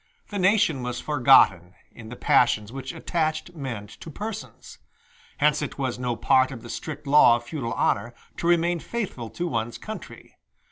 The nation was forgotten in the passions which attached men to persons. Hence it was no part of the strict law of feudal honor to remain faithful to one's country.